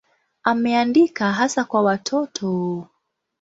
Ameandika hasa kwa watoto.